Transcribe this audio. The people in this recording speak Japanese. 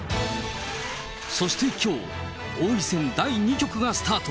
そしてきょう、王位戦第２局がスタート。